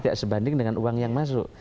tidak sebanding dengan uang yang masuk